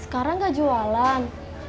sekarang gak jualan